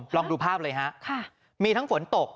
ลองดูภาพเลยฮะมีทั้งฝนตก